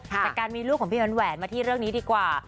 แต่การมีลูกของพี่อันแหวนมาที่เรื่องนี้ดีกว่า